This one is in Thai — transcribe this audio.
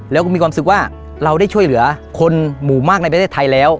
แล้วก็มีความรู้สึกว่าเราได้ช่วยเหลือคนหมู่มากในประเทศไทยแล้ว